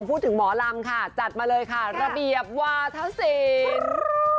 พูดถึงหมอลำค่ะจัดมาเลยค่ะระเบียบวาธ๔รูป